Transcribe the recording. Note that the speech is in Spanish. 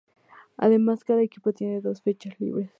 Además cada equipo tiene dos fechas libres.